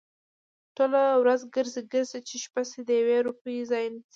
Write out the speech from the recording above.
ټوله ورځ گرځي، گرځي؛ چې شپه شي د يوې روپۍ ځای نيسي؟